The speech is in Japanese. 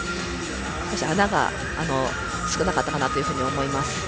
少し穴が少なかったかなと思います。